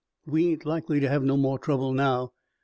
We ain't likely to have no more trouble now.